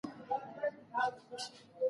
روحي او جسماني غذا د ژوند کیفیت لوړوي.